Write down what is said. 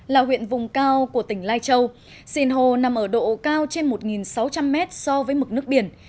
là huyện vùng cao của tỉnh lai châu sinh hồ nằm ở độ cao trên một sáu trăm linh mét so với mực nước biển